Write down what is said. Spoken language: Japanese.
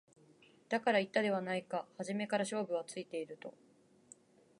だから言ったではないか初めから勝負はついていると